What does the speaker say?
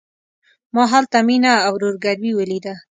ما هلته مينه او ورور ګلوي وليده.